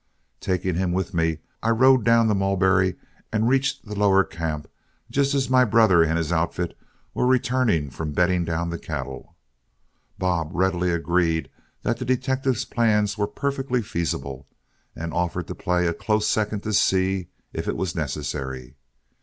Taking him with me, I rode down the Mulberry and reached the lower camp just as my brother and his outfit were returning from bedding down the cattle. Bob readily agreed that the detective's plans were perfectly feasible, and offered to play a close second to Seay if it was necessary.